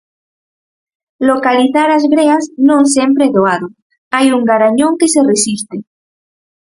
Localizar as greas non sempre é doado, hai un garañón que se resiste.